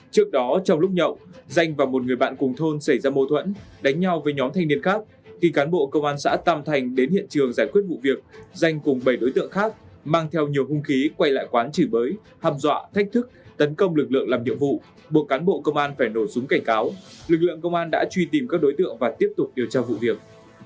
trước đó trong lúc nhậu danh và một người bạn cùng thôn xảy ra mâu thuẫn đánh nhau với nhóm thanh niên khác khi cán bộ công an xã tam thành đến hiện trường giải quyết vụ việc danh cùng bảy đối tượng khác mang theo nhiều hung khí quay lại quán chỉ bới hăm dọa thách thức tấn công lực lượng làm nhiệm vụ buộc cán bộ công an phải nổ súng cảnh cáo lực lượng công an đã truy tìm các đối tượng và tiếp tục điều tra vụ việc